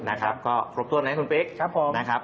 นะครับก็ครบตัวใหม่คุณปิ๊กนะครับ